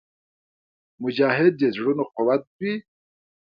مجاهد د زړونو قوت وي.